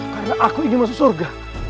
karena aku ingin masuk surga